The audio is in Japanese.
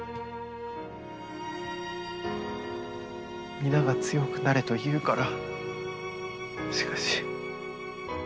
皆が強くなれと言うから。